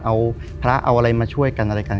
เอาพระเอาอะไรมาช่วยกันอะไรกัน